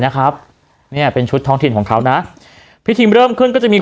นะครับเนี่ยเป็นชุดท้องถิ่นของเขานะพิธีเริ่มขึ้นก็จะมี